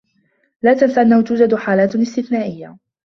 لا تنس أنّه توجد حالات استثنائيّة.